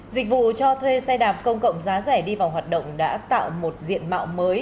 dịch vụ cho thuê xe đạp công cộng giá rẻ đi vào hoạt động đã tạo một diện mạo mới